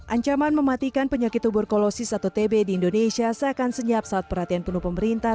ancaman mematikan penyakit tuberkulosis atau tb di indonesia seakan senyap saat perhatian penuh pemerintah